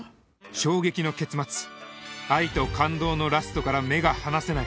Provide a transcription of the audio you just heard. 衝撃の結末愛と感動のラストから目が離せない